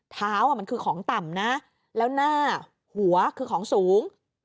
เท้ามันคือของต่ำนะแล้วหน้าหัวคือของสูง